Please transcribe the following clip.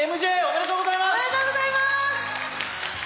おめでとうございます！